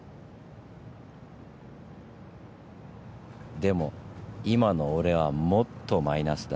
でも今の俺はもっとマイナスだ。